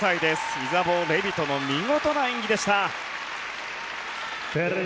イザボー・レビトの見事な演技でした。